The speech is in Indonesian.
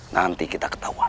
nanti kita ketahuan